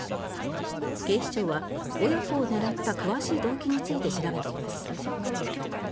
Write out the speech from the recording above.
警視庁は親子を狙った詳しい動機について調べています。